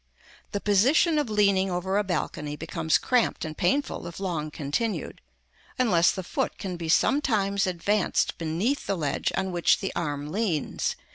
The position of leaning over a balcony becomes cramped and painful if long continued, unless the foot can be sometimes advanced beneath the ledge on which the arm leans, i.